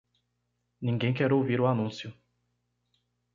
Ninguém quer ouvir o anúncio.